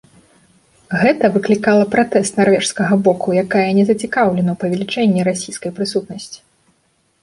Гэта выклікала пратэст нарвежскага боку, якая не зацікаўлена ў павелічэнні расійскай прысутнасці.